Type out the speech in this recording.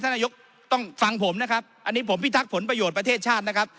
นายกต้องฟังผมนะครับอันนี้ผมพิทักษ์ผลประโยชน์ประเทศชาตินะครับ